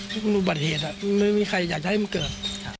ไม่รู้บัตรเหตุไม่มีใครอยากจะให้มันเกิด